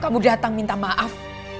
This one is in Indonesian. kamu datang minta maaf